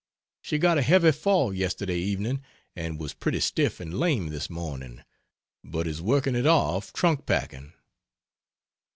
She got a heavy fall yesterday evening and was pretty stiff and lame this morning, but is working it off trunk packing.